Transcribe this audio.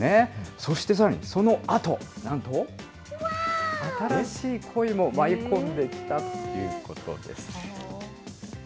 そしてさらに、そのあと、なんと、新しい恋も舞い込んできたということです。